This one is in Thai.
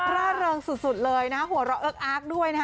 ร่าดรังสุดเลยนะหัวเราะอักด้วยนะครับ